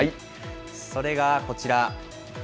それがこちら。